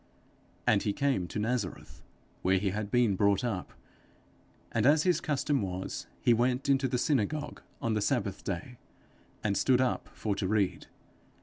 _ And he came to Nazareth, where he had been brought up: and, as his custom was, he went into the synagogue on the sabbath day, and stood up for to read.